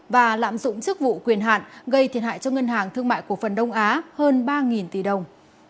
và lạm dụng chức vụ quyền hạn gây thiệt hại cho ngân hàng thương mại cổ phần đông á hơn ba tỷ đồng